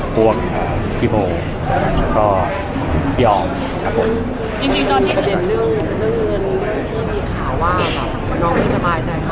พวกพี่โหงก็ยอมครับผม